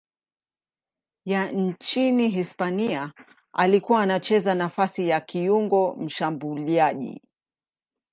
ya nchini Hispania aliyekuwa anacheza nafasi ya kiungo mshambuliaji.